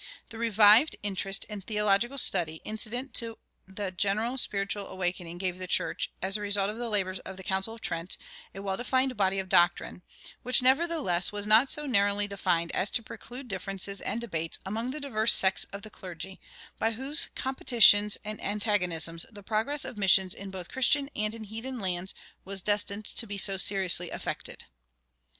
The revived interest in theological study incident to the general spiritual quickening gave the church, as the result of the labors of the Council of Trent, a well defined body of doctrine, which nevertheless was not so narrowly defined as to preclude differences and debates among the diverse sects of the clergy, by whose competitions and antagonisms the progress of missions both in Christian and in heathen lands was destined to be so seriously affected.